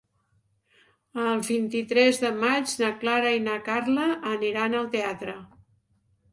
El vint-i-tres de maig na Clara i na Carla aniran al teatre.